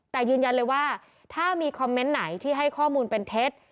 แต่ยืนยันเลยว่าถ้ามีคอมเมนต์ไหนที่ให้ข้อมูลเป็นเท็จ